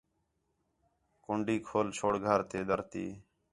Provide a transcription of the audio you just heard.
کنڈی کھول چھوڑ گھر تے دَر تی